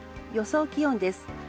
予想気温です。